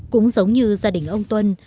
cũng giống như gia đình ông tuấn